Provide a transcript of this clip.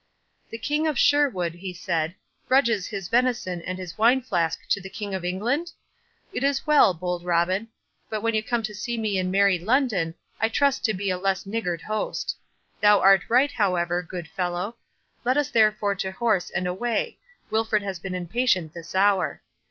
"The King of Sherwood," he said, "grudges his venison and his wine flask to the King of England? It is well, bold Robin!—but when you come to see me in merry London, I trust to be a less niggard host. Thou art right, however, good fellow. Let us therefore to horse and away—Wilfred has been impatient this hour.